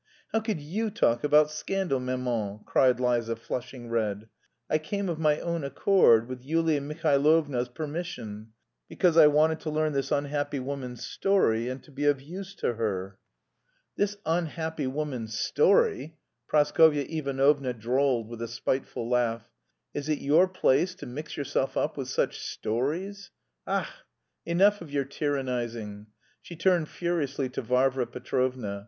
"How could you talk about scandal, maman?" cried Liza, flushing red. "I came of my own accord with Yulia Mihailovna's permission, because I wanted to learn this unhappy woman's story and to be of use to her." "This unhappy woman's story!" Praskovya Ivanovna drawled with a spiteful laugh. "Is it your place to mix yourself up with such 'stories.' Ach, enough of your tyrannising!" She turned furiously to Varvara Petrovna.